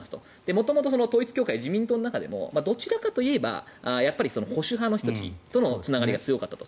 元々、統一教会は自民党の中でもどちらかといえば保守派の人とのつながりが深かったと。